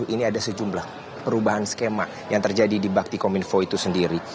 ini ada sejumlah perubahan skema yang terjadi di bakti kominfo itu sendiri